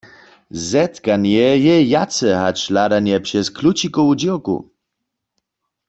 Zetkanje je wjace hač hladanje přez klučikowu dźěrku.